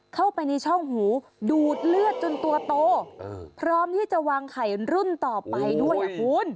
เข้าไปในช่องหูดูดเลือดจนตัวโตพร้อมที่จะวางไข่รุ่นต่อไปด้วยอ่ะคุณ